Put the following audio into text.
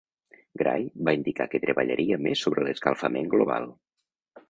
Gray va indicar que treballaria més sobre l'escalfament global.